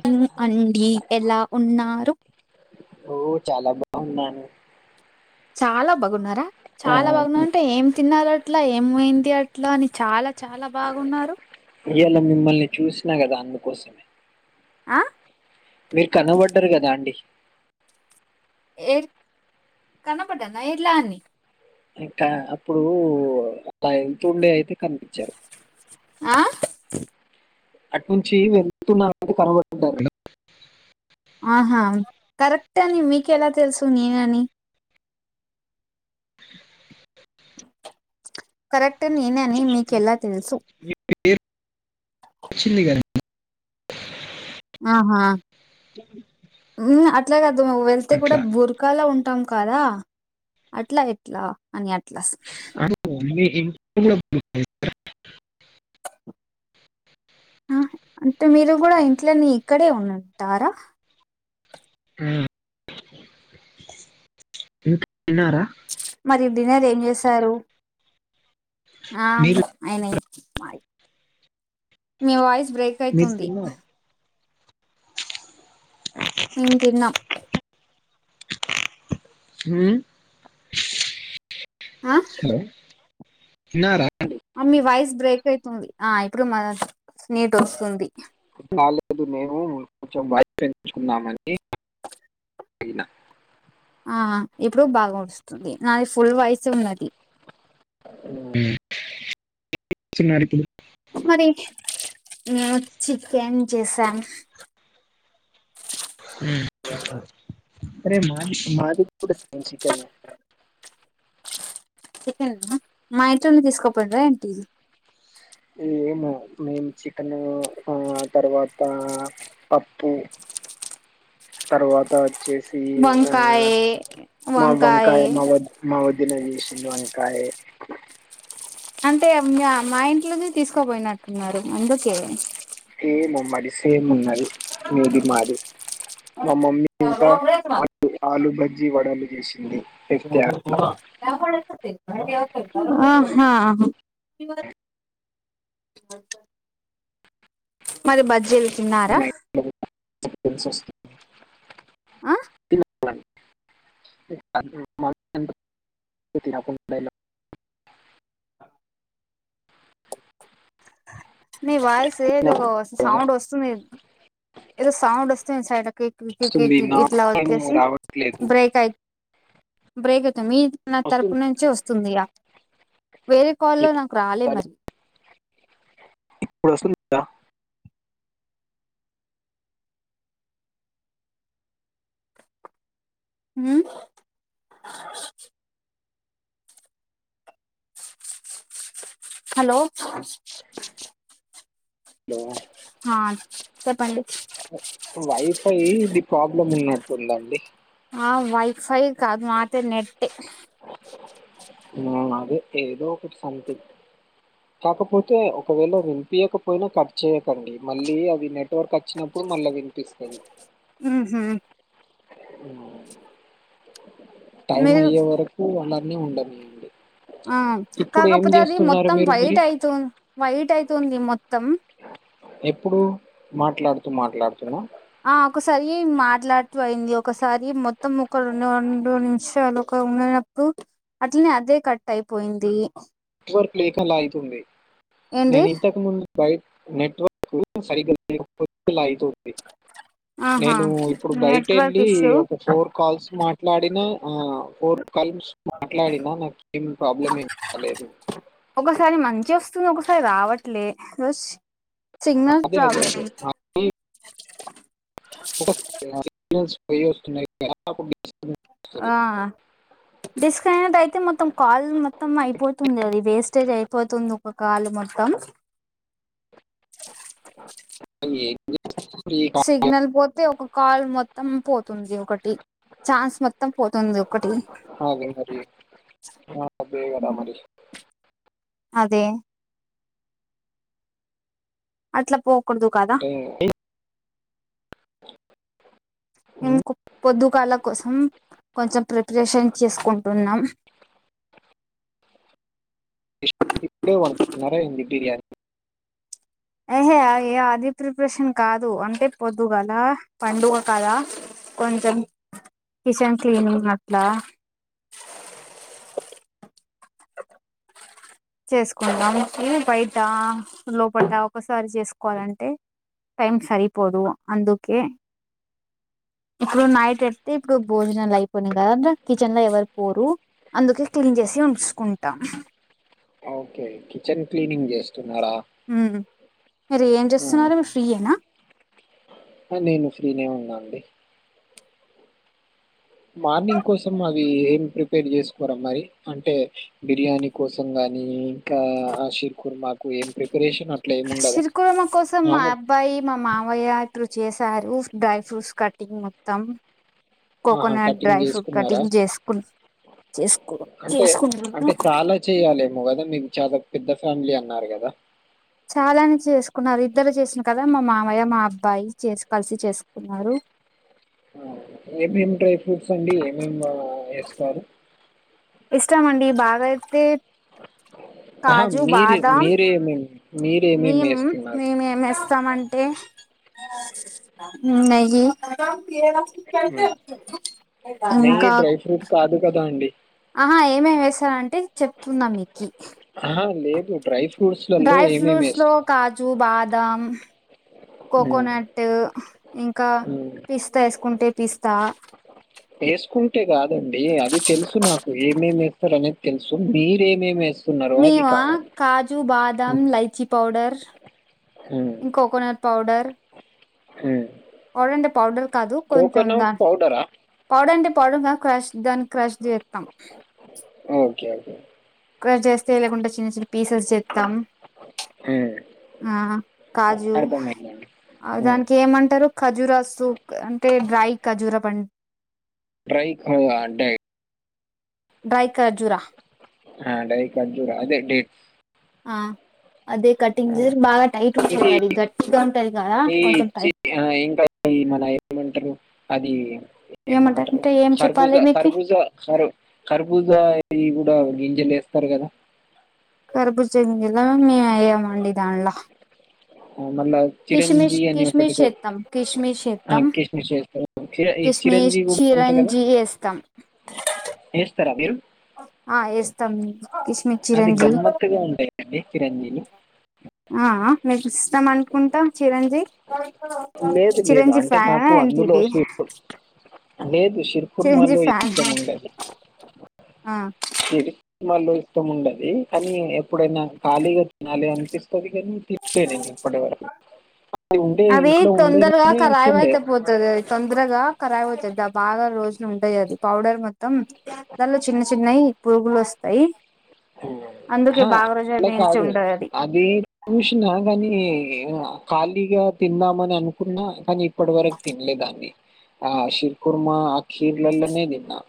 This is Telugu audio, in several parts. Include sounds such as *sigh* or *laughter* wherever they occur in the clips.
హాయ్ అండీ ఎలా ఉన్నారు ఓ చాలా బాగున్నాను చాలా బాగున్నారా ఆ చాలా బాగున్నారు అంటే ఏం తిన్నారో అట్లా ఏమైంది అట్లా అని చాలా చాలా బాగున్నారు ఇవాళ మిమ్మల్ని చూసినా కదా అందుకోసమే ఆ మీరు కనవబడ్డరు కదా అండి కనపన్నా ఇర్లా అన్నిీ ఇంకా అప్పుడు అలా ఎతుే అయితే కనిపించారు ఆ అటు నుంచి వెళ్తున్నంటే కనబడుంటారు ఆహా కరెక్ట అని మీకెలా తెలుసు నేను అని కరెక్ట్ అట్ట నేనే అని మీకెలా తెలుసు వచ్చింది కదా ఆహా అట్లాగ అదు వెళ్తే కూడా అట్లా బురకాాల ఉంట ఉంటాం కదా అట్లా ఎట్లా అని అట్లా అవును, మీ ఇంట్లో కూడా బుక్- ఆ అంటే మీరు కూడా ఇంట్లని ఇక్కడే ఉంటారా ఆ మీనారా మరి డిన్నర్ ఏం చేశారు ఆ మీరు అయినయి మీ వాయిస్ బ్రేక్ మీరు అయితుంది తిన్నారా మేం తిన్నాం హ ఆ తిన్నారా మీ వాయిస్ బ్రేక్ అయితుంది ఆ ఇప్పుడు మ నీట్ వస్తుంది బాలేదు మేము కొంచెం వ పెంచంచుకున్నామని అవున ఆ ఇప్పుడు బాగా వస్తుంది నాది ఫుల్ వయసు ఉన్నది చిన్నారికి మరి మేము చికెన్ చేసాం అరే మాది మాది సం క మా ఇట్ని తీసుకోపోంరా ఎంటిది ఏమో మేము చికెన్ ఆ తర్వాత పప్పు తరువాత వచ్చేసి ఆ వంకాయ మా వంకాయ మా వ మా వద్ద దినజేషిన్ అంకాయ అంటే మా ఇంట్లో తీసుకోపోయినట్టున్నారు అందుకే మమ్మరిసే ఉన్నది మీది మాది మా మమ్మీ ఇంకా ఆలు బజ్జి వడలు చేసింది తెస్తే మ ఆహా మరి బజ్జీలు తిన్నారా స సస్త *unintelligible* ఆ *unintelligible* న వాయిస్ ఏద సౌండ్ వస్తుంది ఏదోజ సౌండ్ వస్తు చయ క్ వస్తుంది ఇ నా ఇట్లాతే ఏమో రావట్లేదు బ్రేక్ యి బ్రేక్ మీ నా వస్తుంది తరపు నుంచి వస్తుందియా వేరే కాల్లో నాకు రాలే మరి ఇప్పుడుసా హ హలో హలో హా చెప్పండి ఉందండి ఆ వైఫై కాదు మాధీ నెట్ అది ఏదో ఒక సంతింగ్ కాకపోతే ఒకవేళ వింపియకపోయినా కట్ చేయకండి మళ్ళీ అవి నెట్వర్క్ వచ్చినప్పుడు మళ్ళా వినిపిస్తుంది ఆ టైం మీరు అయ్యే వరకు అలానే ఉండదు అండి ఆ కాకపోతే అది మొత్తం మీరు మరి? వైట్ అయితు వైట్ అయితు తుంది మొత్తం ఎప్పుడు మాట్లాడుతూ మాట్లాడుతున్నా ఆ ఒకసారి మాట్లాడుతూ అయింది ఒకసారి మొత్తం ఒక రెండు రెండు నిమిషాలు ఒక ఉండనప్పుడు అట్లనే అదే కట్ అయిపోయింది వర్క్ లేఖలా అవుతుంది ఏంది నేను ఇంతకు ముందు బైట్ నెట్వర్క్ సైకల్ లా అవుతుంది ఆహా నేను ఇప్పుడు బయట నెట్వర్క్ వెళ్ళి ఇష్యూ ఒక ఫోర్ కాల్స్ మాట్ మాట్లాడినా ఆ ఫోర్ కల్మ్స్ మాట్లాడినా నాకు ఏం ప్రాబ్లం ఏంకాలేదు ఒకసారి మంచి వస్తుంది ఒకసారి రావట్లే రోజ సిగ్నల్ అదే అదే అదే. ప్రాబ్లమ్ మళ్ళీ వస్తున్నాయి *unintelligible* వస్తది. ఆ డిస్కనెక్ట్ అయితే మొత్తం కాల్ మొత్తం అయిపోతుంది అది వేస్ట్ స్టే అయిపోతుంది ఒక కాలు మొత్తం అ సిగ్నల్ పోతే ఒక కాల్ మొత్తం పోతుంది ఒకటి ఛాన్స్ మొత్తం పోతుంది ఒకటి బే మరి బ గడా మరి *unintelligible* అదే అట్లా పోకూడదు కదా అంటే ఇ ప *unintelligible* అప్పల కోసం కొంచెం ప్రిపరేషన్ చేసుకుంటున్నాం న్నారా ఇ ప్రయాణి *unintelligible* ఆహా అ అది ప్రిపరేషన్ కాదు అంటే పొద్దు కలా పండుగ కదా కొంచెం అ కిషన్ క్లీనింగ్ అట్లా అ అ చేసుకుందాం బయట లోపల ఒకసారి చేసుకోవాలంటే టైం సరిపోదు అందుకే ఇప్పుడు నైట్ పెడితే ఇప్పుడు భోజనాలు అయిపోయినాయి కదా కిచెన్ లో ఎవరు పోరు అందుకే క్లే చేసి ఉంచుకుంటాం ఓకే కిచెన్ క్లీనింగ్ చేస్తున్నారా ఉమ్ మీరు ఏం చేస్తున్నారు మీరు ఫ్రీయేనా ఆ నేను ఫ్రీనే ఉన్నా అండి మార్నింగ్ కోసం అది ఏమి ప్రిపేర్ చేసుకోరా మరి అంటే బిర్యానీ కోసం కానీ ఇంకా షీర్ కుర్మా కు ఏం ప్రిపరేషన్ అ షీర్ కుర్మా కోసం మా అబ్బాయి మా మావయ్య ప్పు చేసారు డ్రై ఫ్రూట్స్ కటింగ్ మొత్తం ఆహా! కోకోనట్ కటింగ్ డ్రై ఫ్రూట్ జేసుకున్నారా? కటింగ్ చేసుకును అంటే అంటే చాలా చెయాలేమో కదా మీకు చాలా పెద్ద. ఫ్యామిలీ అన్నారు కదా. చాలానే చేసుకున్నారు ఇద్దరు చేసిన కదా మా మామయ్య మా అబ్బాయి చేసి కలిసి చేసుకున్నారు. ఏమేమి డ్రై ఫ్రూట్స్ అండి ఏమేం వేస్తారు. ఇష్టమండి బాగా అయితే. అహా! కాజు మీరు బాదం మీరేమేం మీరేమేమి మేం ఏస్తున్నారు? మేమేంేస్తామంటే. నెయ్యి. హ్మ్. నెయ్యి ఇంకా. డ్రై ఫ్రూట్ కాదు గదా అండి. ఆహా ఏమే వేశారంటే చెప్తుందాం మీక్కి. అహా! లేదు ్రైవ్. డ్రై ఫ్రూట్స్ లో కాజు బాదం హ్మ్. కోకోనట్. ఇంకా హ్మ్. పిస్తా వేసుకుంటే పిస్తా. వేసుకుంటే కాదండి అది తెలుసు నాకు ఏమేమిే. స అనేది తెలుసు మీరేమేమిస్త. మేము కాజు, బాదం హ్మ్. లైచి పౌడర్. హ్మ్. ఇంకా కోకోనట్ పౌడర్. హ్మ్. పౌడర్ అంటే పౌడర్ కాదు కొంచెం దా కోకోనట్ పౌడరా? పౌడర్ అంటే. పడుంగా క్రాష్ దన్ క్రాష్ చేస్తాం. Okay okay. క్ర చేస్తే లేకుండా చిన్న చిన్న పీసెస్ చేస్తాం. హ్మ్. ఆ కాజు. అర్థమైందండి. హ్మ్. దానికి ఏమంటారు ఖజూరాస్తు అంటే డ్రై ఖజూర పం. ట్రైంటడై. డ్రై కజూరా. డై కజూరా అదే డేట్. ఆ అదే కటింగ్ బాగా టైట్ ఉంటుంది ఇది అది గట్టిగా ఉంటుది కదా కొంచెం టైట్. ది మన ఏమంటారు అది. ఏమంటారు ఏమంటారంటే ఏం చెప్పాలి మీకి ఖర్బూజాఖర్బూజా సారీ ఖర్బూజా ఇది కూడా. ఏంజలుస్తారు కదా. కర్పూ జం జిల్లా మ మీ అయ మండి దాన్లా. మళ్ళ చిరంజీ అని కిస్మిస్ ఒకటితో చేస్తాం కిస్మిస్ చేస్తాం కృష్ణ చేస్త. ఈ కిస్మిస్ చిరంజీ కూడా ఉంటా కదా. చిరంజి వేస్తాం మీరు ఆ వేస్తాం మే కిష్మి అది చిరంజీ. గమ్మత్తుగా ఉంటాయండి చిరంజీవి ఆ మీకు ఇస్తాం అనుకుంటా చిరంజీ. లేదు లేదు చిరంజీ అంటే ఫ్యానా నాకు ఏంటి అందులో ఇది సపు. లేదు చిరంజీ షిర్కుర్మాలో ఇష్టం ఫ్యానా ఉండదు. ఆ. చెడి వాళు ఇష్టం ఉండది కానీ ఎప్పుడైనా ఖాళీగా తినాలి అని. స్ పటవ అది తొందరగా రాయం తినలే అయితే పోతుది అది తొందరగా. ఖరాయి అవుతుది బాగా రోజులు ఉంటాయి అది పౌడర్ మొత్తం దానిలో చిన్న చిన్నవి పురుగులు వస్తాయి. ఉ. అందుకే హ బాగా రోజులు అలా నిలిచి కాదు ఉండదు అది అదే చూషిన కానీ. ఖాళీగా తిందామని అనుకున్నా కానీ ఇప్పటి వరకు తినలేదాన్ని. ఆ శరుఖర్మా ఆక్కీర్లనేదిన్నా.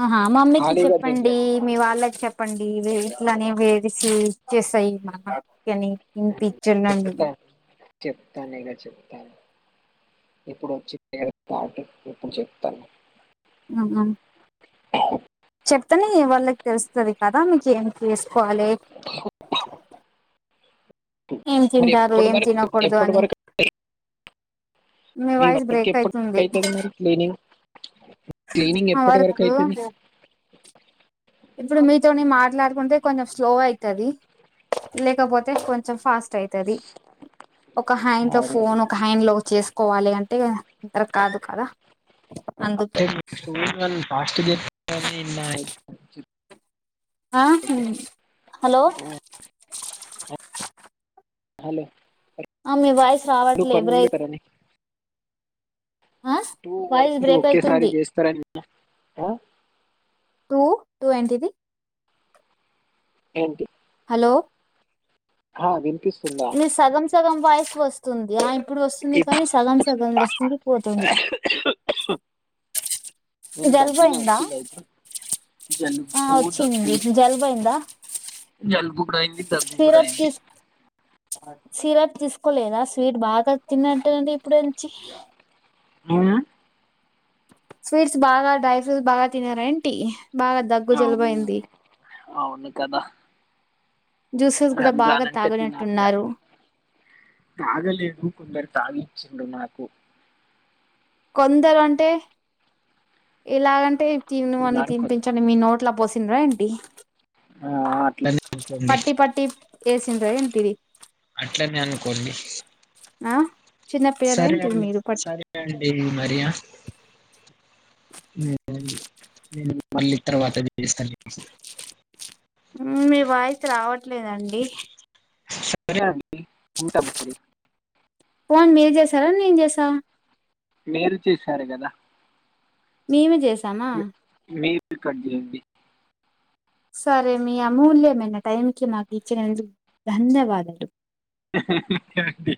ఆహా మమ్మీకి చెప్పండి మీ వాళ్ళకి చెప్ప. చెప్పండి ఇ ఇట్లానే వేదిసి ఇచ్చేసాయి మన. అని తినిపించండి చెప్తా చెప్తాను ఇక చెప్తాను. ఇప్పుడు వచ్చి *unintelligible* అప్పుడు చెప్తాను చెప్తనే కదా వాళ్ళకి తెలుస్తుంది కదా మీకేం చేసుకోవాలె ఏం మరి తింటారు ఎప్పటి ఏం వరకు తినకూడదు ఎప్పటి అని వరకు మీ వాయిస్ వర్క్ బ్రేక్ ఎప్పటి వరకు అయితుంది అవుతుంది మరి క్లీనింగ్ క్లీనింగ్ ఎప్పటి అవర్ వరకు కు అవుతుంది ఇప్పుడు మీతోని మాట్లాడుకుంటే కొంచెం స్లో అయితది లేకపోతే కొంచెం ఫాస్ట్ అయితది ఒక హ్యాండ్ లో అరే, ఫోన్ ఒక హ్యాండ్ లో వ చేసుకోవాలి అంటే ఇగ కరెక్ట్ కాదు కదా అందుకే టూ ఇన్ వన్ *unintelligible* ఇన్న ఆ హలో హలో ఆ మీ వాయిస్ రావట్లే పనులు బ్రేక్ *unintelligible* కదండి ఆ టూ వాయిస్ వర్కులు బ్రేక్ ఒకేసారి అయితుంది చేస్తరని టూ టూ ఏంటిది ఏంటి హలో ఆ వినిపిస్తుందా మీది సగం సగం వాయిస్ వస్తుంది ఆ ఇప్పుడు వస్తుంది ఇప్- కానీ సగం సగం వస్తుంది పోతుంది నేను దగ్గిన జలుబయిందా వచ్చింది అయితే ఆ జలుబు వచ్చింది దగ్గు జలుబయిందా జలుబు కూడా అయింది దగ్గు కూడా సిరప్ అయింది తీసు సిరప్ తీసుకోలేదా స్వీట్ బాగా తిన్నట్టుంది ఎప్పటినుంచి ఆ స్వీట్స్ బాగా డ్రై ఫ్రూట్స్ బాగా తినరేంటి బాగా అవును దగ్గుజలుబయింది అవును కదా రంజాన్ అంటే తినాలిగ తాగినట్టున్నారు తాగలేదు కొందరు తాగిచిండ్రు నాకు కొందరు అంటే ఎలాగంటే తిను అని ఉన్నారు కొందరు తినిపించండి మీ నోట్ల పోసినరా ఏంటి ఆ, అట్లనే అనుకోండి పట్టి పట్టి ఏసిన్రా ఏంటిది అట్లనే అనుకోండి ఆ చిన్న పిల్లలు ఏంటిది సరేనండి మీరు పట్ సరే అండి ఇగ మరి నేను మళ్ళీ తర్వాత చేస్తలేండి మ్ మీ వాయిస్ రావట్లేదండి సరే అండి ఉంట మరి ఫోన్ మీరు చేసారా నేన్ చేసా మీరు చేశారు గదా నేనే చెస్ మి మీరే కట్ చేయండి సరే మీ అమూల్యమైన టైంకిి నాకు ఇచ్చనందుకు ధన్యవాదాలు ఓకే అండి